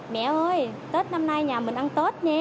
mẹ ơi tết năm nay nhà mình ăn tết nha